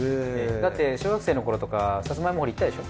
だって小学生の頃とかさつまいも掘り行ったでしょ？